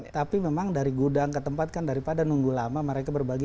tapi memang dari gudang ke tempat kan daripada nunggu lama mereka berbagi